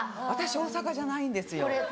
私大阪じゃないんですよ